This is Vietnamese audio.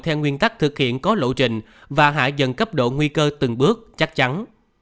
theo nguyên tắc thực hiện có lộ trình và hạ dần cấp độ nguy cơ từng bước chắc chắn